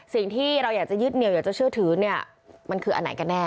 สิ่งที่เราอยากจะยึดเหนียวอยากจะเชื่อถือเนี่ยมันคืออันไหนกันแน่